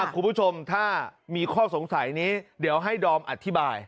คุณผู้ชมถ้ามีข้อสงสัยนี้เดี๋ยวให้ดอมอธิบาย